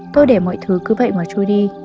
tôi để mọi thứ cứ vậy mà chui đi